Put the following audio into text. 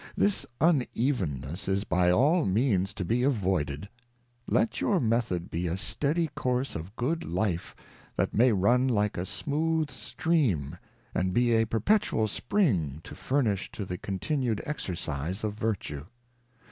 This unevenness is by all means to be avoided. Let your method be a steady course of good Life, that may run like a smooth Stream, and be a perpetual Spring to furnish to the continued Exercise of Vertue.